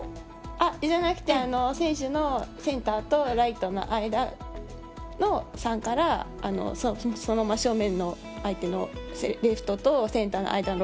そうじゃなくて選手のセンターとライトの間、３からそのまま真正面の相手のレフトとセンターの間、６。